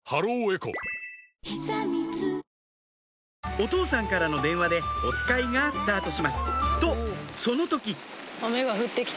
お父さんからの電話でおつかいがスタートしますとその時！